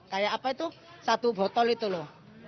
kayak apa itu satu botol itu loh